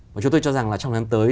và chúng tôi cho rằng là trong lần tới